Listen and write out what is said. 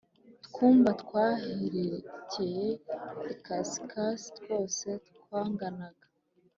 Twumba tw aherekeye ikasikazi twose twanganaga